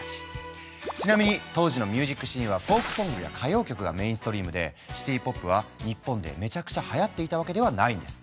ちなみに当時のミュージックシーンはフォークソングや歌謡曲がメインストリームでシティ・ポップは日本でめちゃくちゃはやっていたわけではないんです。